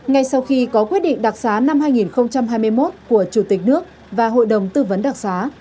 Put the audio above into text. ngay sau khi có quyết định đặc xá năm hai nghìn hai mươi một của chủ tịch nước và hội đồng tư vấn đặc xá